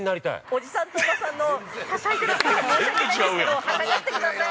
◆おじさんとおばさんのはしゃいでいる姿申し訳ないんですけどはしゃがせてください。